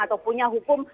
atau punya hukum